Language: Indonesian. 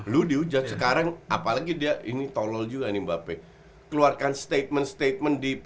lu diujak sekarang apalagi dia ini tonol juga nih mbak pe keluarkan statement statement di